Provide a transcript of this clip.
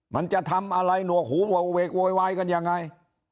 มันจะทำอะไรหนวกหูโวเวกโวยวายกันยังไง